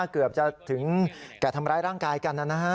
เกือบจะถึงแก่ทำร้ายร่างกายกันนะฮะ